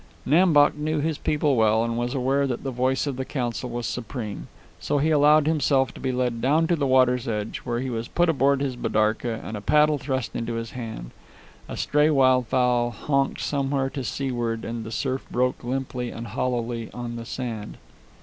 Nam Bok knew his people well and was aware that the voice of the council was supreme. So he allowed himself to be led down to the water's edge, where he was put aboard his bidarka and a paddle thrust into his hand. A stray wildfowl honked somewhere to seaward, and the surf broke limply and hollowly on the sand.